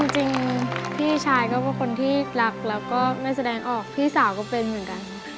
จริงพี่ชายก็เป็นคนที่รักแล้วก็ไม่แสดงออกพี่สาวก็เป็นเหมือนกัน